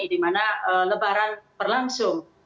dimana lebaran berlangsung